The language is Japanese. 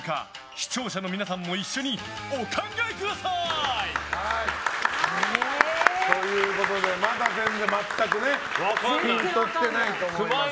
視聴者の皆さんも一緒にお考えください。ということで、まだ全然全くピンと来てないと思いますが。